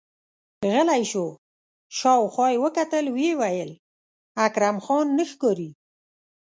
غلی شو، شاوخوا يې وکتل، ويې ويل: اکرم خان نه ښکاري!